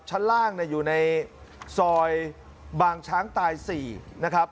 ชั้นล่างอยู่ในซอยบางช้างตาย๔นะครับ